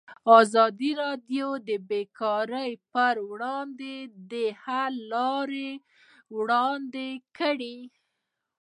ازادي راډیو د بیکاري پر وړاندې د حل لارې وړاندې کړي.